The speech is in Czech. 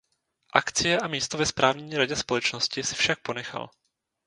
Akcie a místo ve správní radě společnosti si však ponechal.